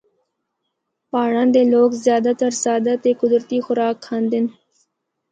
پہاڑاں دے لوگ زیادہ تر سادہ تے قدرتی خوراک کھاندے ہن۔